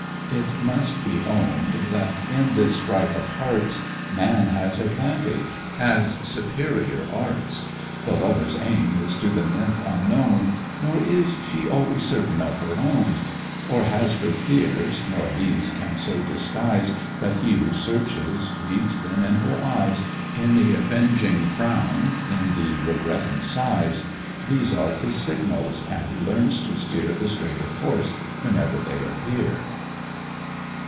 It must be own'd that, in this strife of hearts, Man has advantage has superior arts: The lover's aim is to the nymph unknown, Nor is she always certain of her own; Or has her fears, nor these can so disguise, But he who searches reads them in her eyes, In the avenging frown, in the regretting sighs: These are his signals, and he learns tb steer The straighter course whenever they appear.